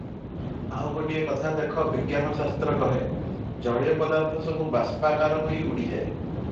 ଆଉ ଗୋଟିଏ କଥା ଦେଖ ବିଜ୍ଞାନଶାସ୍ତ୍ର କହେ, ଜଳୀୟ ପଦାର୍ଥ ସବୁ ବାଷ୍ପାକାର ହୋଇ ଉଡ଼ିଯାଏ ।